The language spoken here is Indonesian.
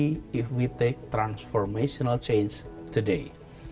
dan ini adalah perubahan transformasional hari ini